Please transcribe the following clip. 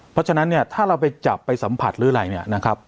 เพราะฉะนั้นถ้าเราไปจับไปสัมผัสหรืออะไร